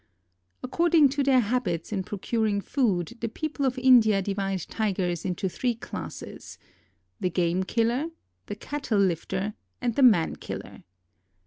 According to their habits in procuring food the people of India divide Tigers into three classes—the "game killer," the "cattle lifter" and the "man killer."